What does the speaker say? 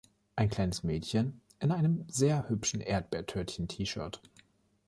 Ein kleines Mädchen in einem sehr hübschen Erdbeertörtchen-T-Shirt.